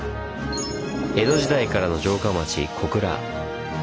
江戸時代からの城下町小倉。